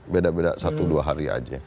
beda beda satu dua hari aja